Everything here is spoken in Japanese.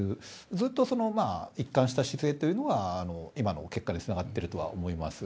ずっと一貫した姿勢というのが今の結果につながってると思います。